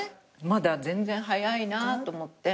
まだ全然早いなと思って。